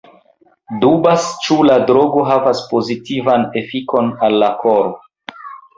Dubas, ĉu la drogo havas pozitivan efikon al la koro.